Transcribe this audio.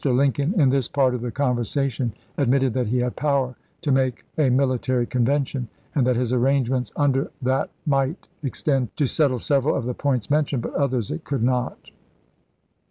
Lincoln in this part of the conversation ad mitted that he had power to make a military convention, and that his arrangements under that 122 ABRAHAM LINCOLN chap. vi. might extend to settle several of the points men campbeii, tioned, but others it could not."